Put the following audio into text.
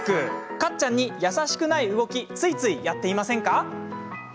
カッちゃんに優しくない動きついついやっていませんか？